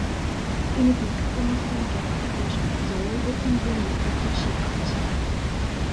তিনি বিখ্যাত মুসলিম জ্ঞান তাপস জালালউদ্দিন রুমির একজন শিক্ষক ছিলেন।